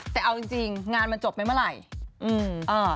แต่เอาจริงงานมันจบไปเมื่อไหร่